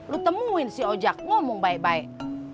lu temuin si ojek ngomong baik baik